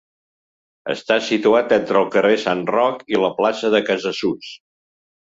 Està situat entre el carrer Sant Roc i la plaça de Casassús.